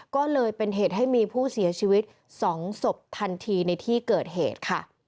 ก็เลยเป็นเหตุให้มีผู้เสียชีวิต๒ศพทันทีในที่เกิดเหตุค่ะ